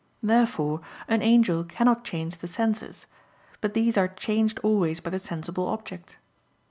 Therefore an angel cannot change the senses; but these are changed always by the sensible object.